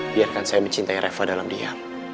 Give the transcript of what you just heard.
biarkan saya mencintai reva dalam diam